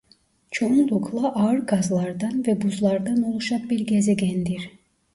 Çoğunlukla ağır gazlardan ve buzlardan oluşan bir gezegendir.